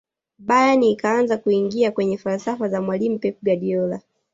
bayern ikaanza kuingia kwenye falsafa za mwalimu pep guardiola